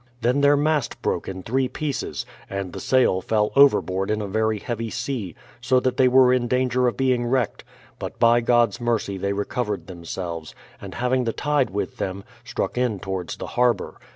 Then their mast broke in three pieces, and the sail fell overboard in a very heavy sea, so that they were in danger of being wrecked; but by God's mercy they recovered themselves, and having the tide with them, struck in towards the harbour.